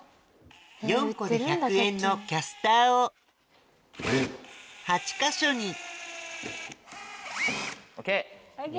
４個で１００円のキャスターを８か所にＯＫ！